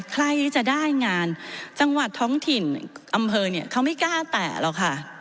ใครจะได้งานจังหวัดท้องถิ่นอำเภอเนี่ยเขาไม่กล้าแตะหรอกค่ะ